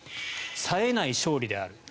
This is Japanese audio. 冴えない勝利である。